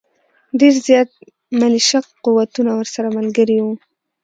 ډېر زیات ملېشه قوتونه ورسره ملګري وو.